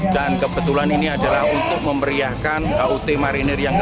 dan kebetulan ini adalah untuk memeriahkan hut marinir yang ke tujuh puluh satu